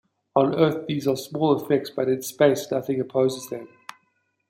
On Earth, these are small effects, but in space, nothing opposes them.